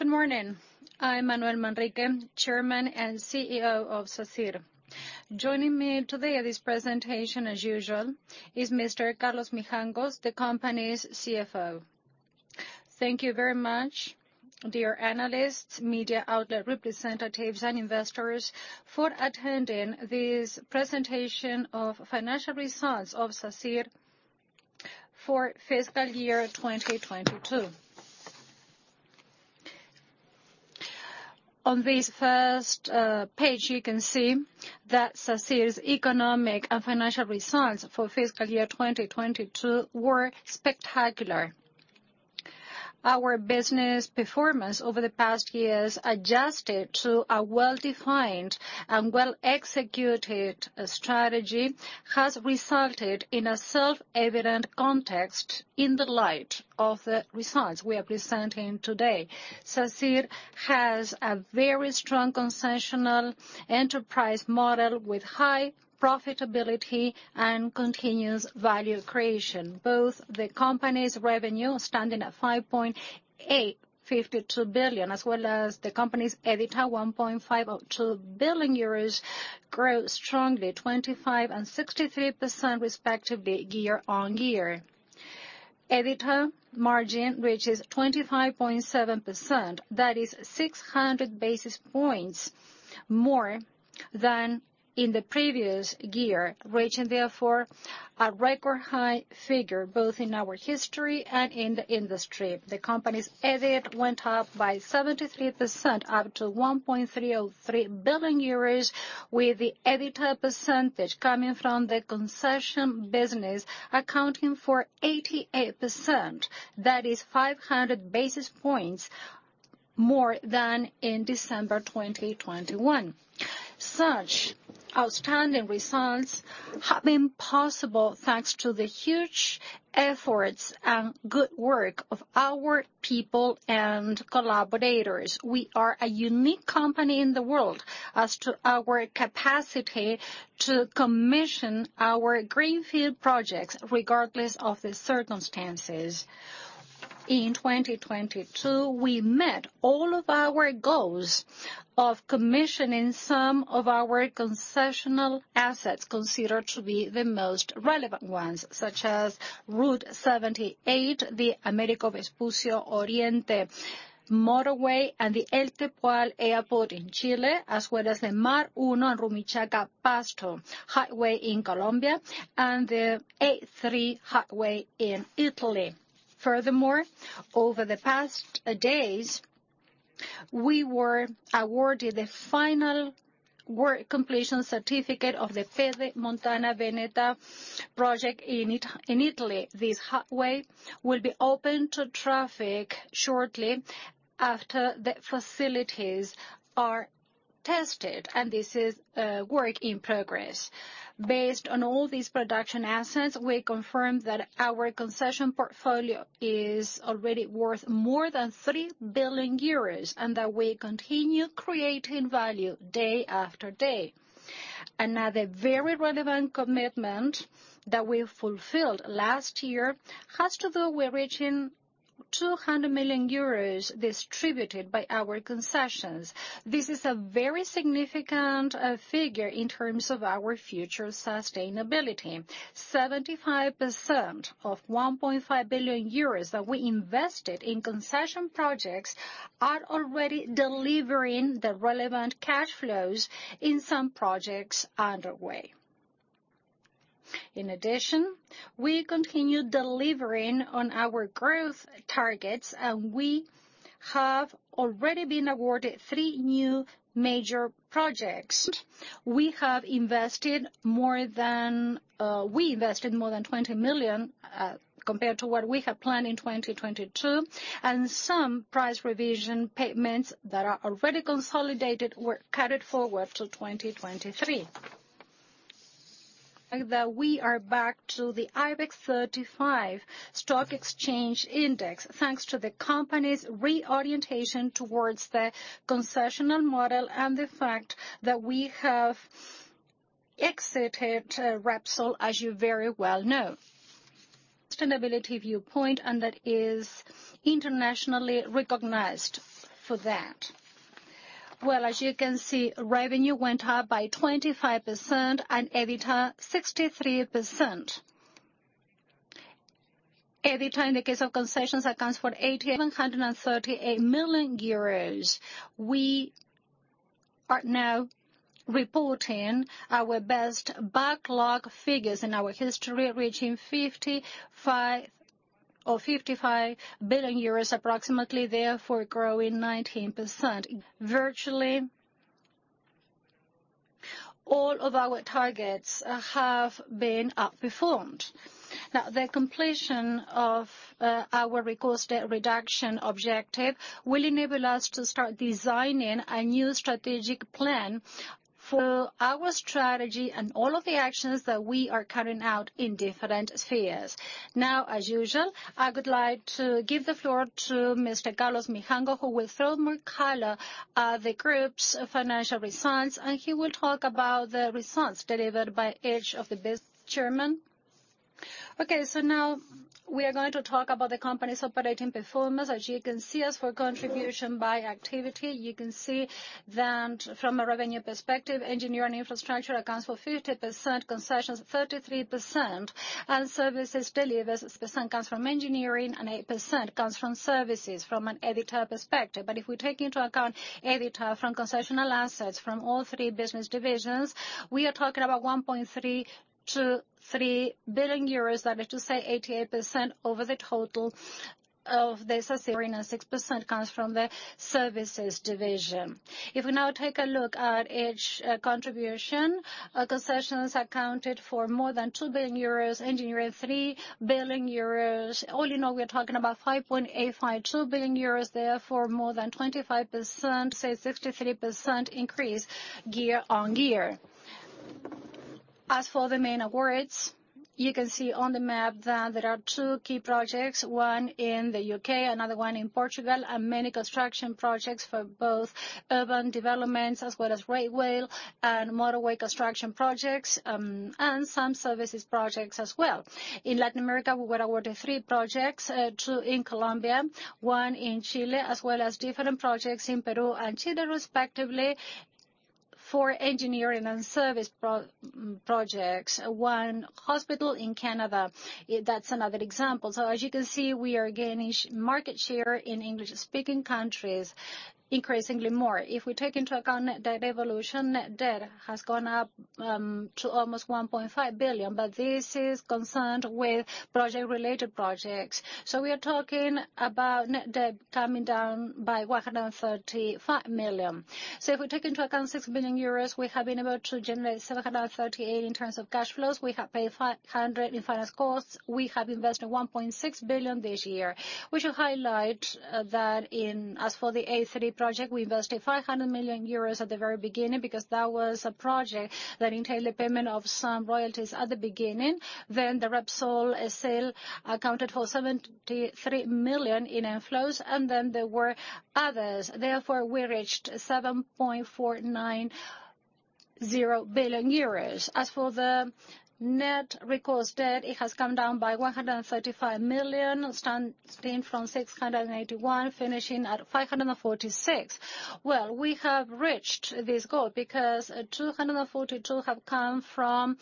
Good morning. I'm Manuel Manrique, Chairman and CEO of Sacyr. Joining me today at this presentation, as usual, is Mr. Carlos Mijangos, the company's CFO. Thank you very much, dear analysts, media outlet representatives, and investors for attending this presentation of financial results of Sacyr for fiscal year 2022. On this first page, you can see that Sacyr's economic and financial results for fiscal year 2022 were spectacular. Our business performance over the past years, adjusted to a well-defined and well-executed strategy, has resulted in a self-evident context in the light of the results we are presenting today. Sacyr has a very strong concessional enterprise model with high profitability and continuous value creation. Both the company's revenue, standing at 5.2 billion, as well as the company's EBITDA, 1.52 billion euros, grew strongly, 25% and 63% respectively year-on-year. EBITDA margin reaches 25.7%. That is 600 basis points more than in the previous year, reaching therefore a record high figure, both in our history and in the industry. The company's EBIT went up by 73%, up to 1.303 billion euros, with the EBITDA percentage coming from the concession business accounting for 88%. That is 500 basis points more than in December 2021. Such outstanding results have been possible thanks to the huge efforts and good work of our people and collaborators. We are a unique company in the world as to our capacity to commission our greenfield projects regardless of the circumstances. In 2022, we met all of our goals of commissioning some of our concessional assets considered to be the most relevant ones, such as Route 78, the Américo Vespucio Oriente motorway, and the El Tepual Airport in Chile, as well as the Mar I and Rumichaca-Pasto Highway in Colombia, and the A3 highway in Italy. Furthermore, over the past days, we were awarded the final work completion certificate of the Pedemontana Veneta project in Italy. This highway will be open to traffic shortly after the facilities are tested, and this is work in progress. Based on all these production assets, we confirm that our concession portfolio is already worth more than 3 billion euros, and that we continue creating value day after day. Another very relevant commitment that we fulfilled last year has to do with reaching 200 million euros distributed by our concessions. This is a very significant figure in terms of our future sustainability. 75% of 1.5 billion euros that we invested in concession projects are already delivering the relevant cash flows in some projects underway. We continue delivering on our growth targets, and we have already been awarded three new major projects. We invested more than 20 million compared to what we had planned in 2022, some price revision payments that are already consolidated were carried forward to 2023. We are back to the IBEX 35 stock exchange index, thanks to the company's reorientation towards the concessional model and the fact that we have exited Repsol, as you very well know. Sustainability viewpoint. That is internationally recognized for that. As you can see, revenue went up by 25% and EBITDA 63%. EBITDA, in the case of concessions, accounts for 8,738 million euros. We are now reporting our best backlog figures in our history, reaching 55 billion euros approximately, therefore growing 19%. Virtually all of our targets have been outperformed. The completion of our net recourse debt reduction objective will enable us to start designing a new strategic plan for our strategy and all of the actions that we are carrying out in different spheres. As usual, I would like to give the floor to Mr. Carlos Mijangos, who will throw more color the group's financial results, and he will talk about the results delivered by each of the business. Chairman? Now we are going to talk about the company's operating performance. As you can see, as for contribution by activity, you can see that from a revenue perspective, engineering infrastructure accounts for 50%, concessions 33%, services delivers 6% comes from engineering, 8% comes from services from an EBITDA perspective. If we take into account EBITDA from concessional assets from all three business divisions, we are talking about 1.323 billion euros. That is to say 88% over the total of this, 6% comes from the services division. If we now take a look at each contribution, concessions accounted for more than 2 billion euros, engineering 3 billion euros. All in all, we are talking about 5.852 billion euros, therefore more than 25%, say 63% increase year-on-year. As for the main awards, you can see on the map that there are two key projects, 1 in the U.K., another 1 in Portugal, and many construction projects for both urban developments as well as rail, and motorway construction projects, and some services projects as well. In Latin America, we were awarded 3 projects, 2 in Colombia, 1 in Chile, as well as different projects in Peru and Chile, respectively, for engineering and service projects. 1 hospital in Canada. That's another example. As you can see, we are gaining market share in English-speaking countries increasingly more. If we take into account net debt evolution, net debt has gone up to almost 1.5 billion, but this is concerned with related projects. We are talking about net debt coming down by 135 million. If we take into account 6 billion euros, we have been able to generate 738 million in terms of cash flows. We have paid 500 million in finance costs. We have invested 1.6 billion this year. We should highlight that in, as for the A30 project, we invested 500 million euros at the very beginning because that was a project that entailed the payment of some royalties at the beginning. The Repsol sale accounted for 73 million in inflows. There were others. We reached 7.490 billion euros. As for the net recourse debt, it has come down by 135 million, standing from 681 million, finishing at 546 million. Well, we have reached this goal because 242 have come from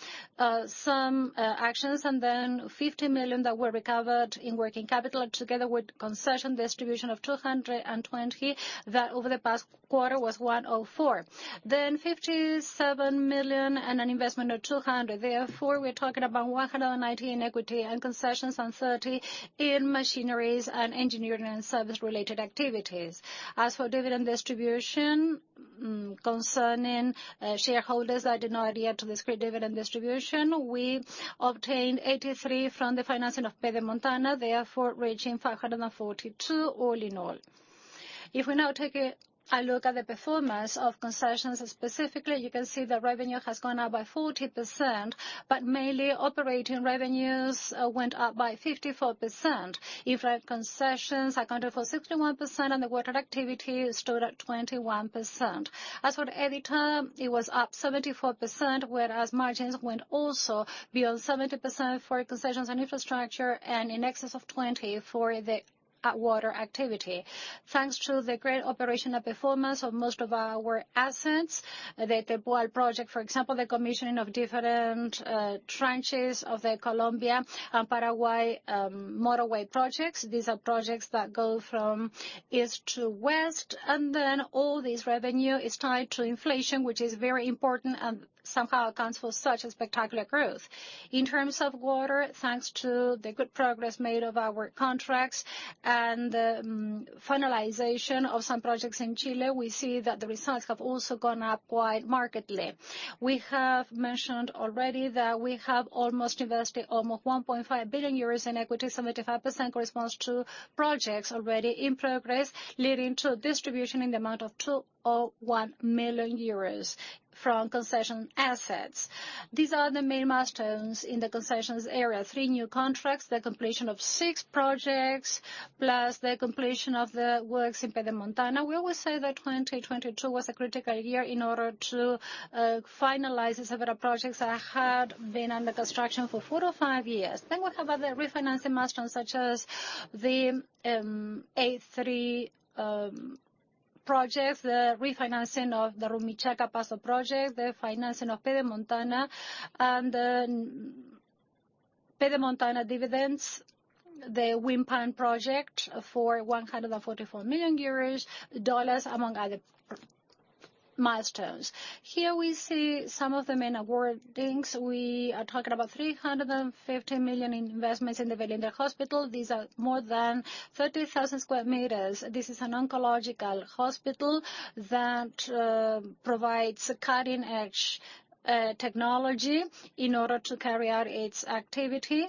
some actions and 50 million that were recovered in working capital together with concession distribution of 220, that over the past quarter was 104. 57 million and an investment of 200. Therefore, we're talking about 119 equity and concessions and 30 in machineries and engineering service-related activities. As for dividend distribution, concerning shareholders, I did not yet describe dividend distribution. We obtained 83 from the financing of Pedemontana, therefore reaching 542 all in all. If we now take a look at the performance of concessions specifically, you can see the revenue has gone up by 40%, but mainly operating revenues went up by 54%. In fact, concessions accounted for 61%, and the water activity stood at 21%. As for the EBITDA, it was up 74%, whereas margins went also beyond 70% for concessions and infrastructure and in excess of 20% for the water activity. Thanks to the great operational performance of most of our assets, the Tepual project, for example, the commissioning of different tranches of the Colombia and Paraguay motorway projects. These are projects that go from east to west, and then all this revenue is tied to inflation, which is very important and somehow accounts for such a spectacular growth. In terms of water, thanks to the good progress made of our contracts and the finalization of some projects in Chile, we see that the results have also gone up quite markedly. We have mentioned already that we have almost invested 1.5 billion euros in equity. 75% corresponds to projects already in progress, leading to a distribution in the amount of 201 million euros from concession assets. These are the main milestones in the concessions area. 3 new contracts, the completion of 6 projects, plus the completion of the works in Pedemontana. We always say that 2022 was a critical year in order to finalize several projects that had been under construction for 4 or 5 years. We have other refinancing milestones such as the A30 projects, the refinancing of the Rumichaca-Pasto project, the financing of Pedemontana dividends, the Windplant project for 144 million euros, dollars, among other milestones. Here we see some of the main awardings. We are talking about 350 million investments in the Velindre Hospital. These are more than 30,000 square meters. This is an oncological hospital that provides cutting-edge technology in order to carry out its activity.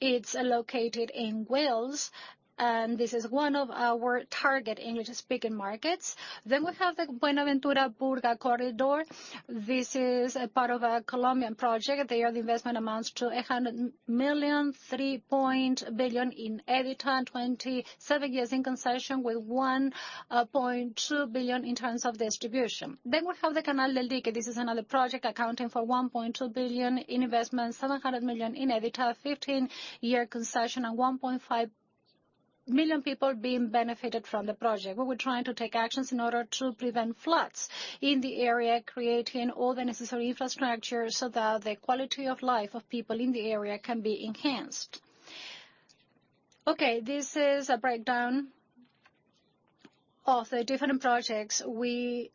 It's located in Wales, and this is one of our target English-speaking markets. We have the Buenaventura-Buga corridor. This is a part of a Colombian project. There, the investment amounts to 100 million, 3 point billion in EBITDA, 27 years in concession, with 1.2 billion in terms of distribution. We have the Canal del Dique. This is another project accounting for 1.2 billion in investments, 700 million in EBITDA, a 15-year concession, and 1.5 billion-Million people being benefited from the project. We were trying to take actions in order to prevent floods in the area, creating all the necessary infrastructure so that the quality of life of people in the area can be enhanced. Okay, this is a breakdown of the different projects we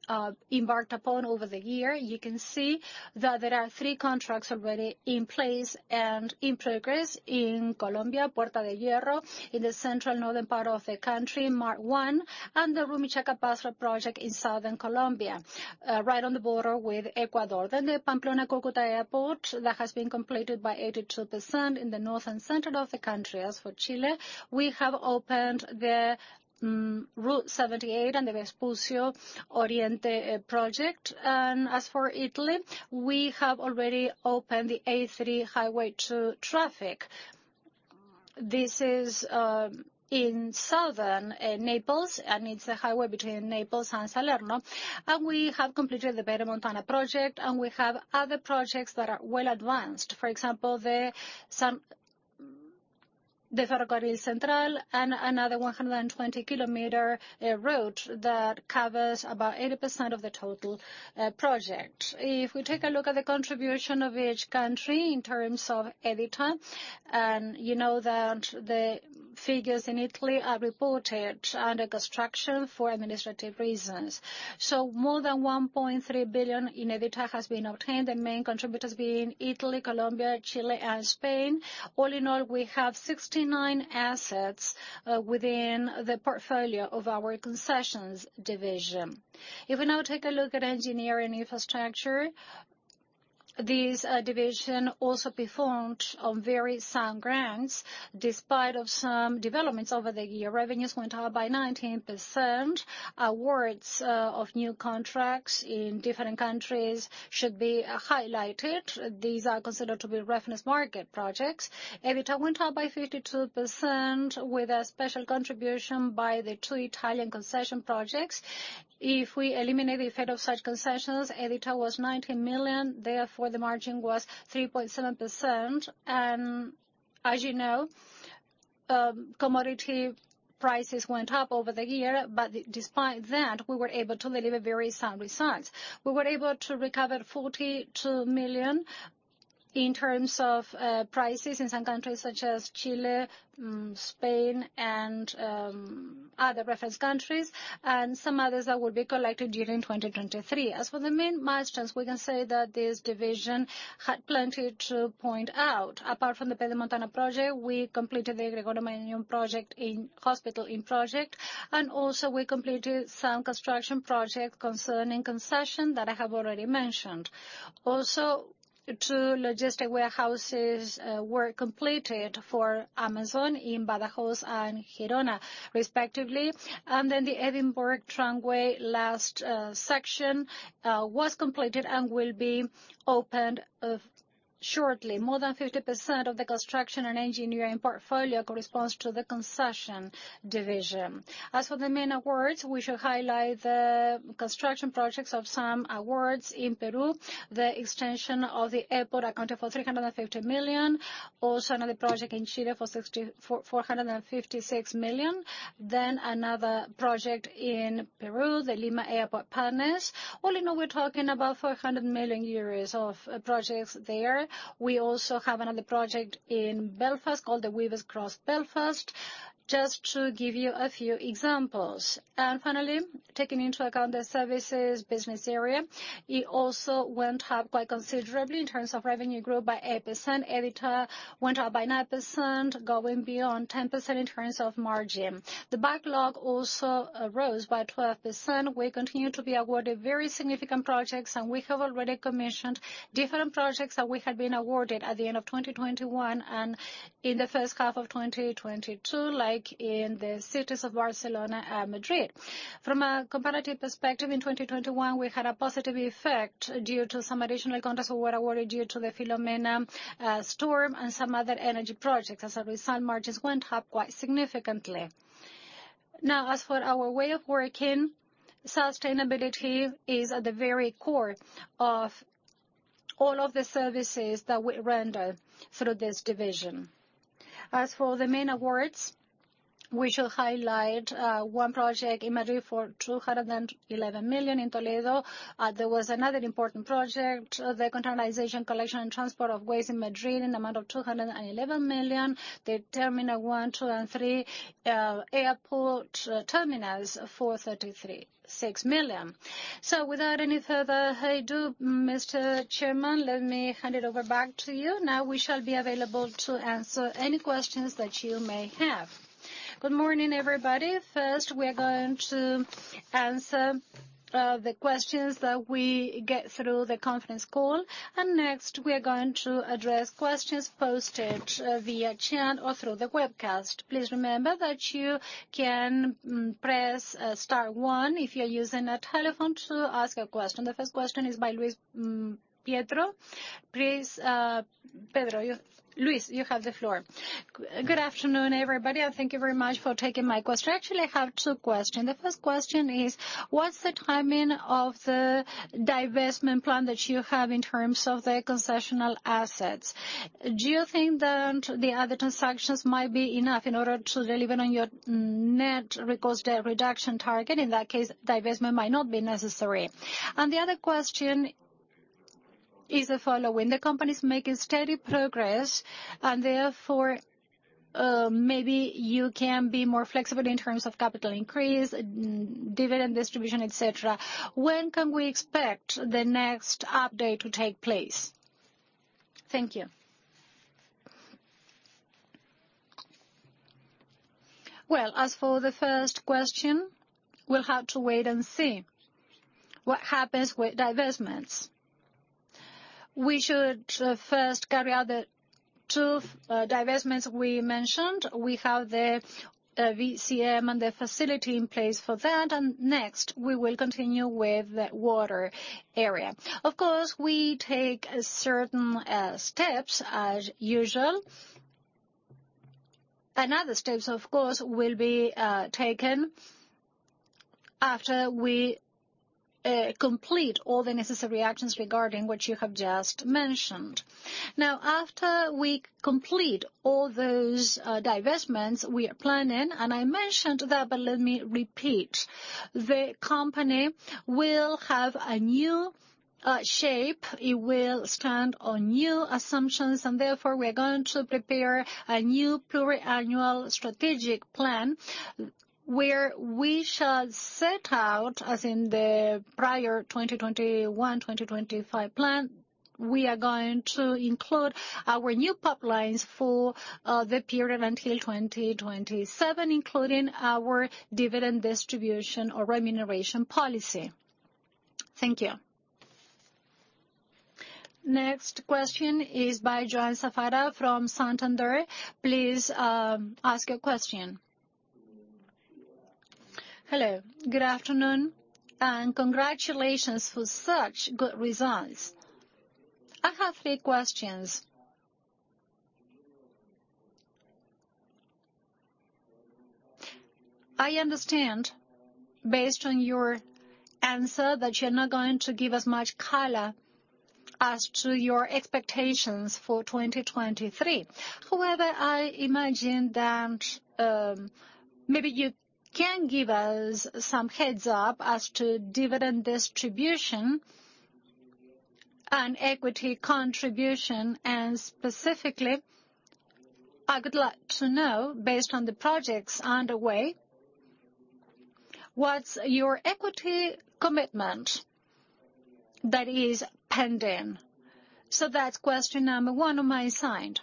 embarked upon over the year. You can see that there are three contracts already in place and in progress in Colombia, Puerta de Hierro, in the central northern part of the country, Mar 1, and the Rumichaca-Pasto project in southern Colombia, right on the border with Ecuador. The Pamplona-Cúcuta Highway that has been completed by 82% in the northern center of the country. As for Chile, we have opened the Route 78 and the Vespucio Oriente project. As for Italy, we have already opened the A3 highway to traffic. This is in southern Naples, and it's the highway between Naples and Salerno. We have completed the Pedemontana project, and we have other projects that are well advanced. For example, the Ferrocarril Central and another 120 kilometer road that covers about 80% of the total project. If we take a look at the contribution of each country in terms of EBITDA, and you know that the figures in Italy are reported under construction for administrative reasons. More than 1.3 billion in EBITDA has been obtained. The main contributors being Italy, Colombia, Chile, and Spain. All in all, we have 69 assets within the portfolio of our concessions division. If we now take a look at engineering infrastructure, this division also performed on very sound grounds. Despite of some developments over the year, revenues went up by 19%. Awards of new contracts in different countries should be highlighted. These are considered to be reference market projects. EBITDA went up by 52% with a special contribution by the two Italian concession projects. If we eliminate the effect of such concessions, EBITDA was 90 million, therefore the margin was 3.7%. As you know, commodity prices went up over the year, despite that, we were able to deliver very sound results. We were able to recover 42 million in terms of prices in some countries such as Chile, Spain and other reference countries and some others that will be collected during 2023. As for the main milestones, we can say that this division had plenty to point out. Apart from the Pedemontana project, we completed the Agrigento Mayan project in hospital, also we completed some construction projects concerning concession that I have already mentioned. Also, two logistic warehouses were completed for Amazon in Badajoz and Girona respectively. Then the Edinburgh Tramway last section was completed and will be opened shortly. More than 50% of the construction and engineering portfolio corresponds to the concession division. As for the main awards, we should highlight the construction projects of some awards in Peru. The extension of the airport accounted for 350 million. Also another project in Chile for 456 million. Another project in Peru, the Lima Airport Partners. All in all, we're talking about 400 million euros of projects there. We also have another project in Belfast called the Weavers Cross Belfast, just to give you a few examples. Finally, taking into account the services business area, it also went up quite considerably in terms of revenue growth by 8%. EBITDA went up by 9%, going beyond 10% in terms of margin. The backlog also arose by 12%. We continue to be awarded very significant projects, and we have already commissioned different projects that we had been awarded at the end of 2021 and in the first half of 2022, like in the cities of Barcelona and Madrid. From a comparative perspective, in 2021, we had a positive effect due to some additional contracts that were awarded due to the Filomena storm and some other energy projects. As a result, margins went up quite significantly. As for our way of working, sustainability is at the very core of all of the services that we render through this division. As for the main awards, we should highlight, one project in Madrid for 211 million in Toledo. There was another important project, the containerization, collection, and transport of waste in Madrid in the amount of 211 million. The Terminal One, Two, and Three, airport terminals for 33.6 million. Without any further ado, Mr. Chairman, let me hand it over back to you. We shall be available to answer any questions that you may have. Good morning, everybody. First, we're going to answer, the questions that we get through the conference call. Next, we are going to address questions posted via chat or through the webcast. Please remember that you can press star one if you're using a telephone to ask a question. The first question is by Luis Prieto. Please Luis, you have the floor. Good afternoon, everybody. Thank you very much for taking my question. Actually, I have two questions. The first question is: What's the timing of the divestment plan that you have in terms of the concessional assets? Do you think that the other transactions might be enough in order to deliver on your net recourse debt reduction target? In that case, divestment might not be necessary. The other question is the following: the company's making steady progress and therefore, maybe you can be more flexible in terms of capital increase, dividend distribution, et cetera. When can we expect the next update to take place? Thank you. As for the first question, we'll have to wait and see what happens with divestments. We should first carry out the two divestments we mentioned. We have the VCM and the facility in place for that, next we will continue with the water area. Of course, we take certain steps as usual. Other steps, of course, will be taken after we complete all the necessary actions regarding what you have just mentioned. After we complete all those divestments we are planning, I mentioned that, but let me repeat. The company will have a new shape. It will stand on new assumptions, and therefore we are going to prepare a new pluriannual strategic plan, where we shall set out, as in the prior 2021, 2025 plan, we are going to include our new pipelines for the period until 2027, including our dividend distribution or remuneration policy. Thank you. Next question is by João Safara from Santander. Please ask your question. Hello, good afternoon, and congratulations for such good results. I have three questions. I understand based on your answer that you're not going to give as much color as to your expectations for 2023. However, I imagine that maybe you can give us some heads-up as to dividend distribution and equity contribution, and specifically, I would like to know, based on the projects underway, what's your equity commitment that is pending? That's question number one on my side.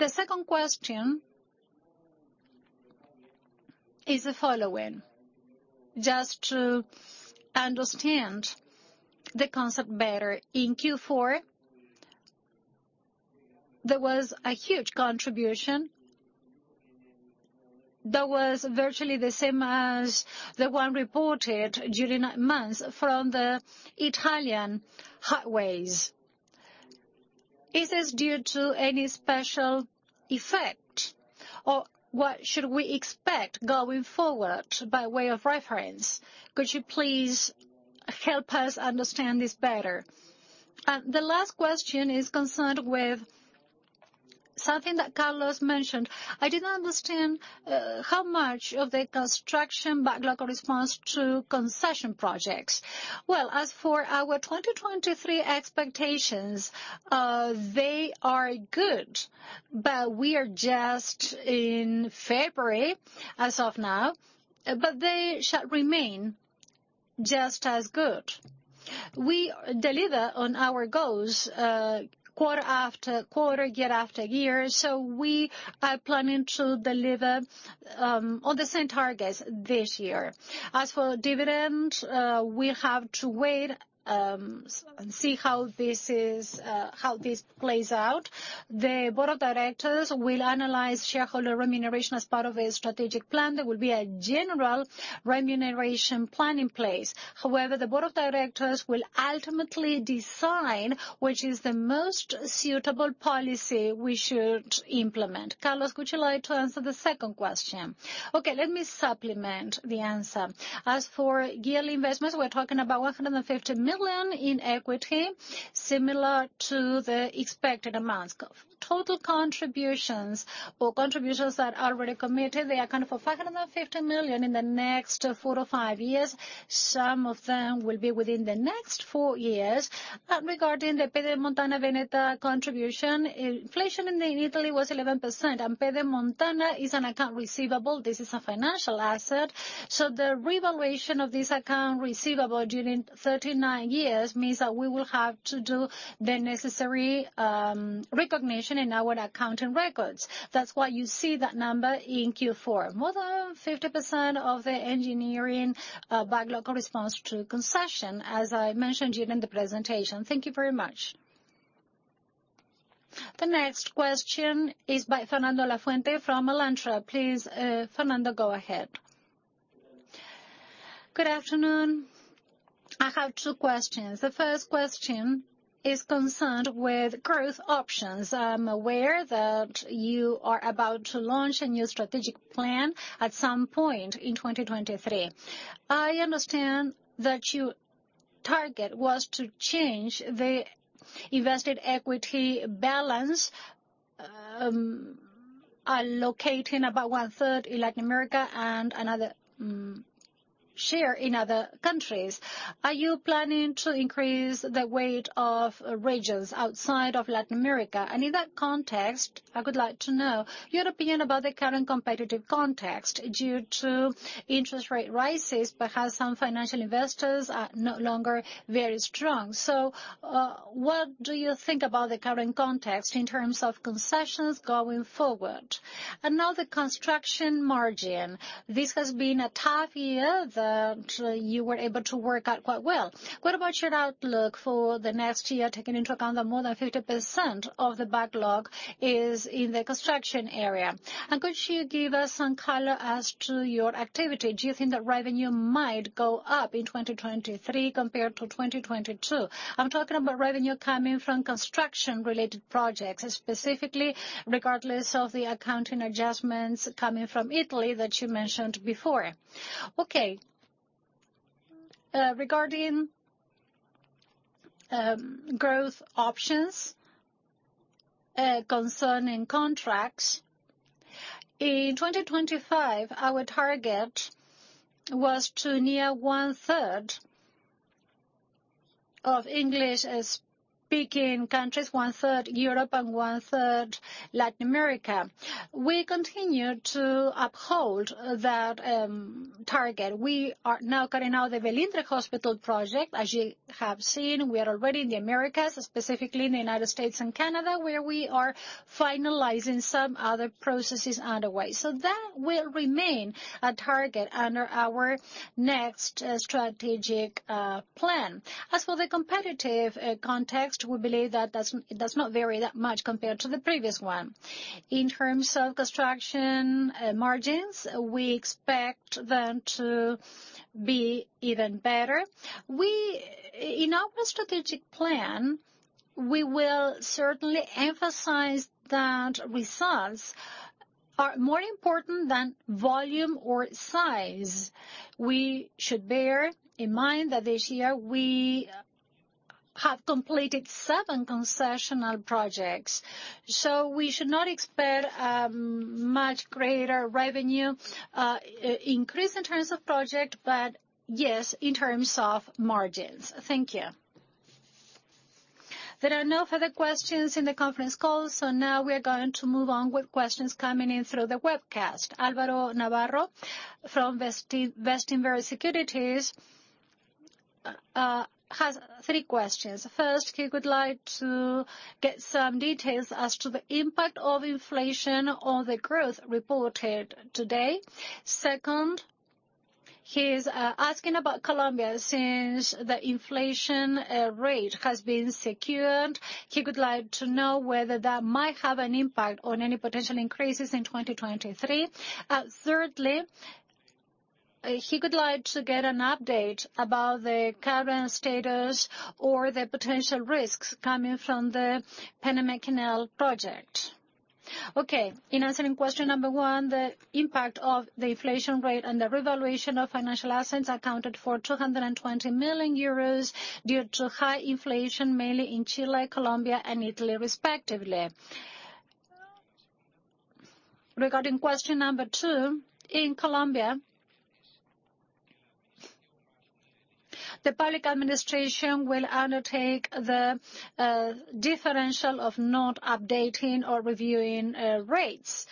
The second question is the following, just to understand the concept better. In Q4, there was a huge contribution that was virtually the same as the one reported during nine months from the Italian highways. Is this due to any special effect? What should we expect going forward by way of reference? Could you please help us understand this better? The last question is concerned with something that Carlos mentioned. I didn't understand how much of the construction backlog corresponds to concession projects. Well, as for our 2023 expectations, they are good, but we are just in February as of now. They shall remain just as good. We deliver on our goals, quarter after quarter, year after year, so we are planning to deliver on the same targets this year. As for dividend, we have to wait and see how this plays out. The board of directors will analyze shareholder remuneration as part of a strategic plan. There will be a general remuneration plan in place. However, the board of directors will ultimately decide which is the most suitable policy we should implement. Carlos, would you like to answer the second question? Okay, let me supplement the answer. As for yearly investments, we're talking about 150 million in equity, similar to the expected amounts of total contributions or contributions that are already committed. They account for 550 million in the next four to five years. Some of them will be within the next four years. Regarding the Pedemontana Veneta contribution, inflation in Italy was 11%, and Pedemontana is an account receivable. This is a financial asset. The revaluation of this account receivable during 39 years means that we will have to do the necessary recognition in our accounting records. That's why you see that number in Q4. More than 50% of the engineering backlog corresponds to concession, as I mentioned during the presentation. Thank you very much. The next question is by Fernando Lafuente from Alantra. Please, Fernando, go ahead. Good afternoon. I have 2 questions. The first question is concerned with growth options. I'm aware that you are about to launch a new strategic plan at some point in 2023. I understand that your target was to change the invested equity balance. Are locating about one third in Latin America and another share in other countries. Are you planning to increase the weight of regions outside of Latin America? In that context, I would like to know your opinion about the current competitive context due to interest rate rises, perhaps some financial investors are no longer very strong. What do you think about the current context in terms of concessions going forward? Now the construction margin. This has been a tough year that you were able to work out quite well. What about your outlook for the next year, taking into account that more than 50% of the backlog is in the construction area? Could you give us some color as to your activity? Do you think the revenue might go up in 2023 compared to 2022? I'm talking about revenue coming from construction related projects, specifically regardless of the accounting adjustments coming from Italy that you mentioned before. Okay. Regarding growth options concerning contracts. In 2025, our target was to near one-third of English-speaking countries, one-third Europe and one-third Latin America. We continue to uphold that target. We are now carrying out the Velindre Cancer Centre project. As you have seen, we are already in the Americas, specifically in the United States and Canada, where we are finalizing some other processes underway. That will remain a target under our next strategic plan. For the competitive context, we believe that does not vary that much compared to the previous one. In terms of construction margins, we expect them to be even better. In our strategic plan, we will certainly emphasize that results are more important than volume or size. We should bear in mind that this year we have completed seven concessional projects, so we should not expect a much greater revenue increase in terms of project, but yes, in terms of margins. Thank you. There are no further questions in the conference call. We are going to move on with questions coming in through the webcast. Alvaro Navarro from Bestinver Securities has three questions. First, he would like to get some details as to the impact of inflation on the growth reported today. Second, he's asking about Colombia. Since the inflation rate has been secured, he would like to know whether that might have an impact on any potential increases in 2023. Thirdly, he would like to get an update about the current status or the potential risks coming from the Panama Canal project. Okay, in answering question number one, the impact of the inflation rate and the revaluation of financial assets accounted for 220 million euros due to high inflation, mainly in Chile, Colombia and Italy, respectively. Regarding question number two, in Colombia, the public administration will undertake the differential of not updating or reviewing rates.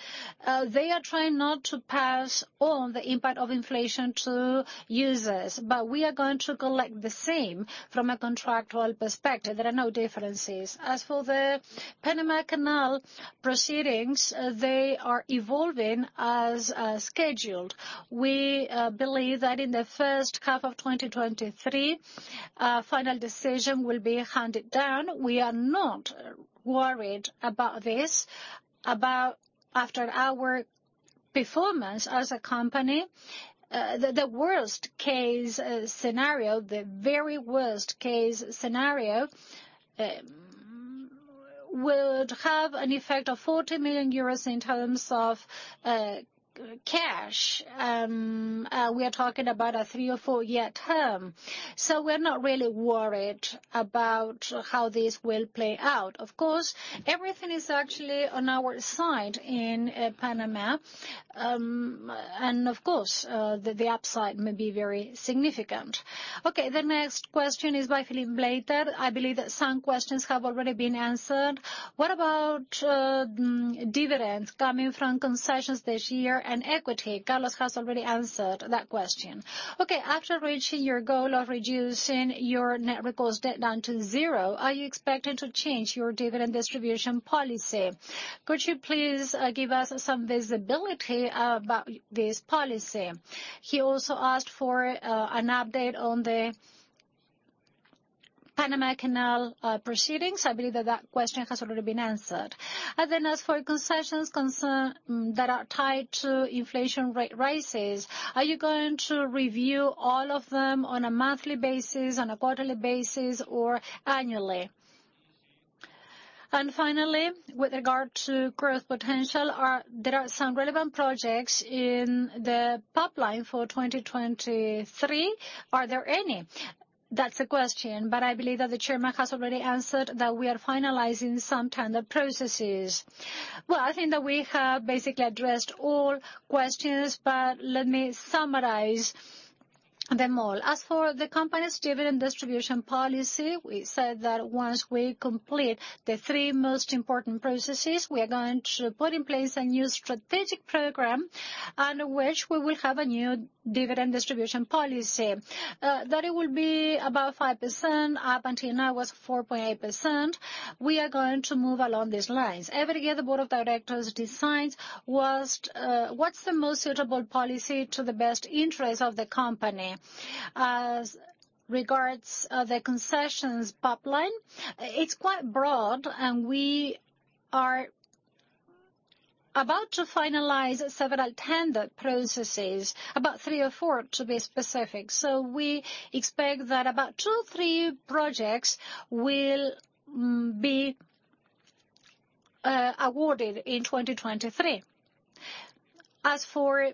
They are trying not to pass on the impact of inflation to users, but we are going to collect the same from a contractual perspective. There are no differences. As for the Panama Canal proceedings, they are evolving as scheduled. We believe that in the first half of 2023, a final decision will be handed down. We are not worried about this. After our performance as a company, the very worst case scenario would have an effect of 40 million euros in terms of cash. We are talking about a 3 or 4-year term, so we're not really worried about how this will play out. Of course, everything is actually on our side in Panama. Of course, the upside may be very significant. Okay, the next question is by Philippe Blater. I believe that some questions have already been answered. What about dividends coming from concessions this year and equity? Carlos has already answered that question. Okay. After reaching your goal of reducing your net recourse debt down to 0, are you expecting to change your dividend distribution policy? Could you please give us some visibility about this policy? He also asked for an update on the Panama Canal proceedings. I believe that that question has already been answered. As for concessions that are tied to inflation rate rises, are you going to review all of them on a monthly basis, on a quarterly basis or annually? Finally, with regard to growth potential, there are some relevant projects in the pipeline for 2023. Are there any? That's the question. I believe that the Chairman has already answered that we are finalizing some tender processes. Well, I think that we have basically addressed all questions. Let me summarize them all. As for the company's dividend distribution policy, we said that once we complete the three most important processes, we are going to put in place a new strategic program under which we will have a new dividend distribution policy that it will be about 5%. Up until now, it was 4.8%. We are going to move along these lines. Every year, the board of directors decides what's the most suitable policy to the best interest of the company. As regards the concessions pipeline, it's quite broad, and we are about to finalize several tender processes, about 3 or 4, to be specific. We expect that about 2, 3 projects will be awarded in 2023. As for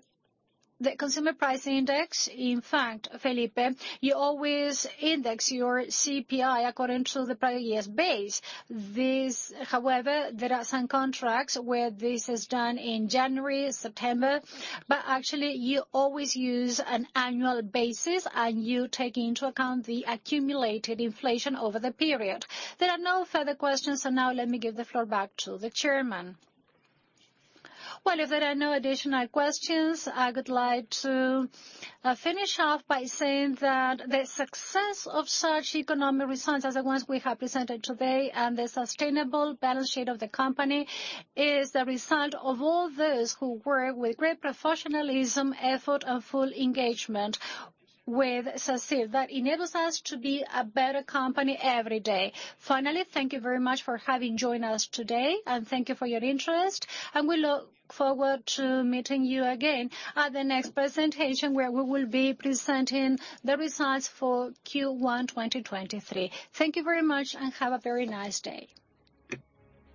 the Consumer Price Index, in fact, Felipe, you always index your CPI according to the previous base. However, there are some contracts where this is done in January, September, but actually, you always use an annual basis, and you take into account the accumulated inflation over the period. Now let me give the floor back to the Chairman. Well, if there are no additional questions, I would like to finish off by saying that the success of such economic results as the ones we have presented today and the sustainable balance sheet of the company is the result of all those who work with great professionalism, effort, and full engagement with Sacyr that enables us to be a better company every day. Finally, thank you very much for having joined us today, and thank you for your interest, and we look forward to meeting you again at the next presentation, where we will be presenting the results for Q1 2023. Thank you very much. Have a very nice day.